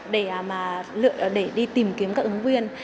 để đi tìm kiếm các ứng viên